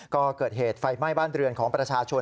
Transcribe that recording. ก็เกิดเหตุไฟไหม้บ้านเรือนของประชาชน